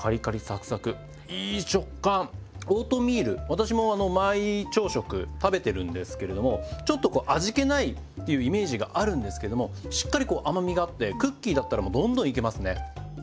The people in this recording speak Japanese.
私もあの毎朝食食べてるんですけれどもちょっとこう味気ないっていうイメージがあるんですけどもしっかりこう甘みがあってクッキーだったらもうどんどんいけますね。